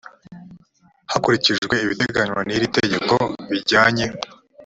hakurikijwe ibiteganywa n iri tegeko bijyanye